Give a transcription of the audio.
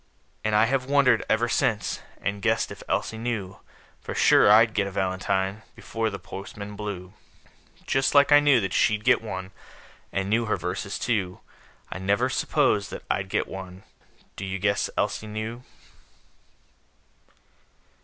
And I have wondered, ever since, And guessed if Elsie knew For sure I'd get a valentine, Before the postman blew, Just like I knew that she'd get one And knew her verses, too. I never s'posed that I'd get one Do you guess Elsie knew?